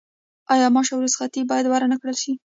آیا معاش او رخصتي باید ورنکړل شي؟